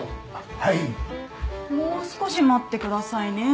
はいもう少し待ってくださいね